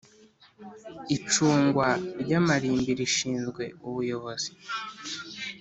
Icungwa ry’ amarimbi rishinzwe ubuyobozi